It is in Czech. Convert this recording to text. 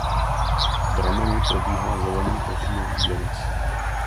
Pod rameny probíhá zelený vavřínový věnec.